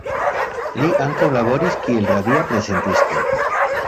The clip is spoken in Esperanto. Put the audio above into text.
Li ankaŭ laboris kiel radia prezentisto.